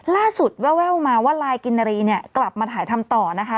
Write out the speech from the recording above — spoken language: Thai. ล่าสุดแววแววมาว่าลายกินณรีเนี่ยกลับมาถ่ายทำต่อนะคะ